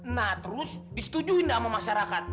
nah terus disetujuin sama masyarakat